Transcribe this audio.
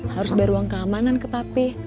harus bayar uang keamanan ke pape